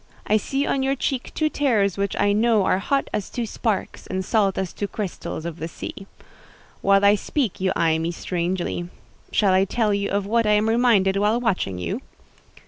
I see on your cheek two tears which I know are hot as two sparks, and salt as two crystals of the sea. While I speak you eye me strangely. Shall I tell you of what I am reminded while watching you?"